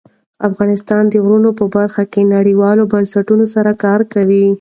افغانستان د غرونه په برخه کې نړیوالو بنسټونو سره کار کوي.